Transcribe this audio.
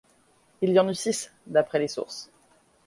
Il y en eut six d'après les sources.